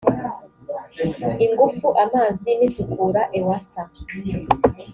ingufu amazi n isukura ewasa